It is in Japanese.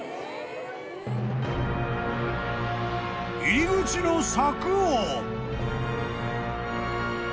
［入り口の柵を］